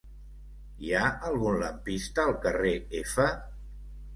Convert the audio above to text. Hi ha algun lampista al carrer F?